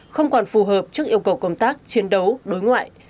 không còn phù hợp trước yêu cầu công tác chiến đấu đối ngoại